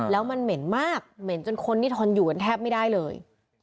แล้วมันเหม็นมากเหม็นจนคนที่ทนอยู่กันแทบไม่ได้เลย